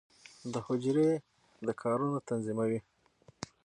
د حجره د کارونو تنظیموي.